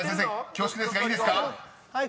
恐縮ですがいいですか？］